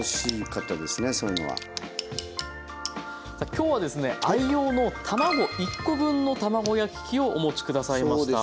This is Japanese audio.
今日はですね愛用の卵１コ分の卵焼き器をお持ち下さいました。